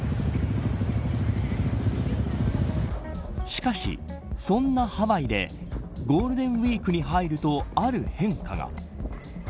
しかし、そんなハワイでゴールデンウイークに入るとある変化が。